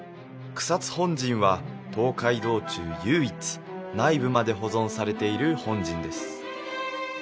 草津本陣は東海道中唯一内部まで保存されている本陣です